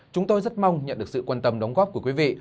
chúng tôi rất mong nhận được sự quan tâm đóng góp của quý vị